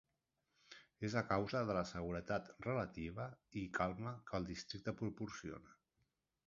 És a causa de la seguretat relativa i calma que el districte proporciona.